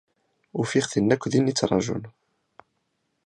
Ufi?-ten akk din i ttrajun.